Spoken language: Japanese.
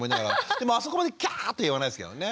でもあそこまで「ギャー！」って言わないですけどね。